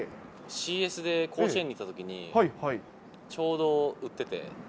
ＣＳで甲子園に行ったときに、ちょうど売ってて。